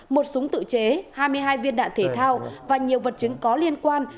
một súng tự chế hai mươi hai viên đạn thể thao và nhiều vật chứng có liên quan